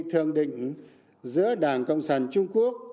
thường định giữa đảng cộng sản trung quốc